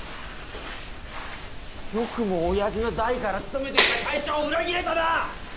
よくもおやじの代から勤めてきた会社を裏切れたな！